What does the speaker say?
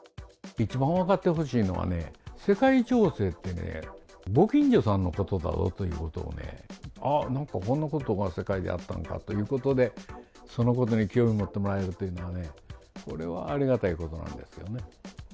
一番分かってほしいのはね、世界情勢ってね、ご近所さんのことだということをね、あ、なんかこんなことが世界であったんかということで、そのことに興味持ってもらえるっていうのはね、それはありがたいことなんですよ